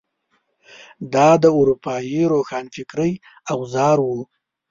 دا د اروپايي روښانفکرۍ اوزار وو.